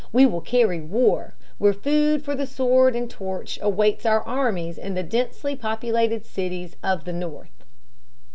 We will carry war ... where food for the sword and torch awaits our armies in the densely populated cities" of the North.